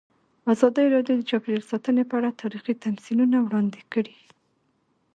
ازادي راډیو د چاپیریال ساتنه په اړه تاریخي تمثیلونه وړاندې کړي.